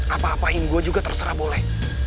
apa apain gue juga terserah boleh